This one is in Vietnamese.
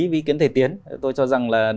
với ý kiến thầy tiến tôi cho rằng là